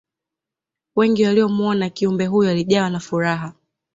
wengi waliyomuona kiumbe huyo walijawa na furaha